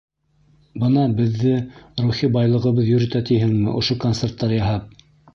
Бына беҙҙе рухи байлығыбыҙ йөрөтә тиһеңме ошо концерттар яһап?